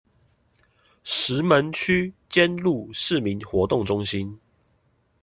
石門區尖鹿市民活動中心